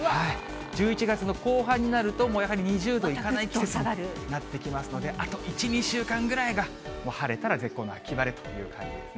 １１月の後半になるとやはり２０度行かない季節になってきますので、あと１、２週間ぐらいがもう晴れたら絶好の秋晴れという感じですね。